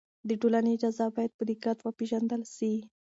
د ټولنې اجزا باید په دقت وپېژندل سي.